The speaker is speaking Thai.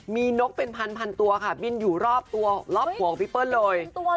มีนกเป็นพันตัวค่ะบินอยู่รอบตัวรอบหัวของพี่เปิ้ลเลย